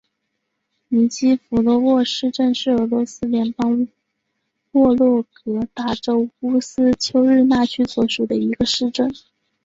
尼基福罗沃市镇是俄罗斯联邦沃洛格达州乌斯秋日纳区所属的一个市镇。